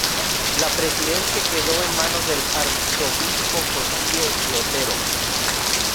La presidencia quedó en manos del arzobispo Cossío y Otero.